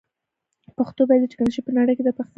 پښتو باید د ټکنالوژۍ په نړۍ کې د پرمختګ لپاره هڅه وکړي.